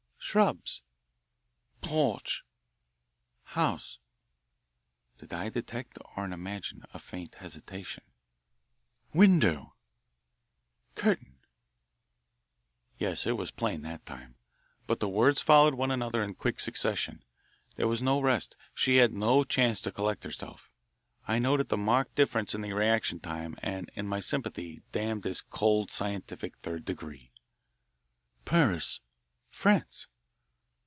"Shrubs." "Porch." "House." Did I detect or imagine a faint hesitation? "Window." "Curtain." Yes, it was plain that time. But the words followed one another in quick succession. There was no rest. She had no chance to collect herself. I noted the marked difference in the reaction time and, in my sympathy, damned this cold; scientific third degree. "Paris." "France."